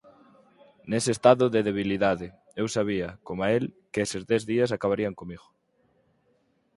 Nese estado de debilidade, eu sabía –coma el– que eses dez días acabarían comigo...